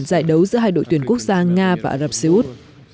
giải đấu giữa hai đội tuyển quốc gia nga và ả rập xê út